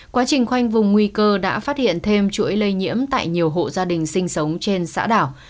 quá trình khoanh vùng nguy cơ đã phát hiện thêm chuỗi lây nhiễm tại nhiều hộ gia đình sinh sống trên xã đảo